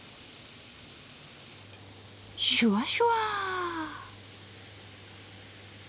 シュワシュワー！